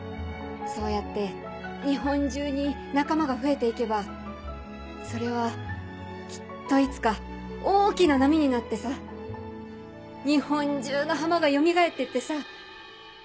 そうやって日本中に仲間が増えて行けばそれはきっといつか大きな波になってさ日本中の浜がよみがえって行ってさ。